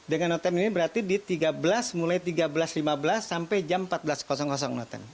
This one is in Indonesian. dengan notem ini berarti di tiga belas mulai tiga belas lima belas sampai jam empat belas notem